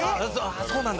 そうなんだ。